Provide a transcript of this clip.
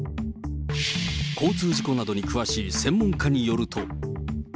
交通事故などに詳しい専門家によると。